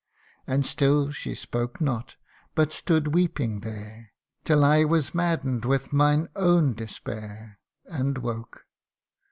And still she spoke not, but stood weeping there, Till I was madden'd with mine own despair And woke.